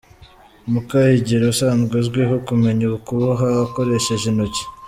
Mukahigiro asanzwe azwiho kumenya kuboha akoresheje intoki.